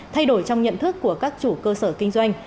thay đổi trong nhận thức của các chủ cơ sở kinh doanh